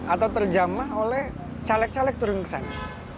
atau terjamah oleh caleg caleg turun ke sana